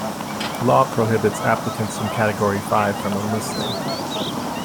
Law prohibits applicants in Category Five from enlisting.